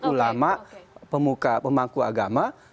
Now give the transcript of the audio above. ulama pemuka pemangku agama